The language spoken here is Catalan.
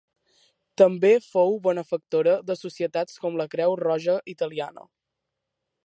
També fou benefactora de societats com la Creu Roja italiana.